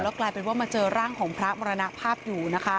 กลายเป็นว่ามาเจอร่างของพระมรณภาพอยู่นะคะ